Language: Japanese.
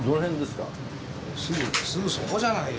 すぐそこじゃないよ。